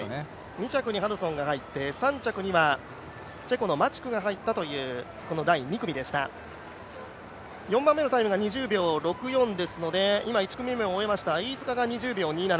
２着にハドソンが入って、３着にはチェコのマチクが入った第２組でした４番目のタイムが２０秒６４ですので、今、１組目も終えました、飯塚が２０秒２７。